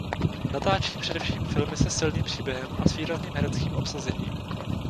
Natáčí především filmy se silným příběhem a s výrazným hereckým obsazením.